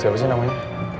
siapa sih namanya